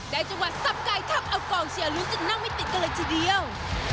ได้จังหวัดทรัพย์ไกรทำเอากล่องเชียวรู้จะนั่งไม่ติดกันเลยทีเดียว